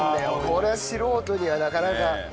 これは素人にはなかなか。